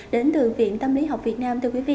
đến từ viện tâm lý học việt nam